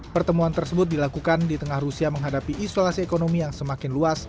pertemuan tersebut dilakukan di tengah rusia menghadapi isolasi ekonomi yang semakin luas